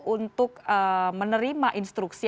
untuk menerima instruksi